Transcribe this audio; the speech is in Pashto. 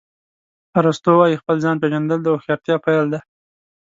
ارسطو وایي خپل ځان پېژندل د هوښیارتیا پیل دی.